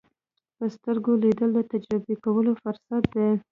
په سترګو لیدل د تجربه کولو فرصت دی